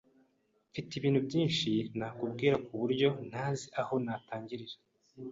Mfite ibintu byinshi nakubwira kuburyo ntazi aho natangirira.